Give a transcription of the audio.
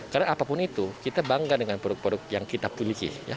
karena apapun itu kita bangga dengan produk produk yang kita punya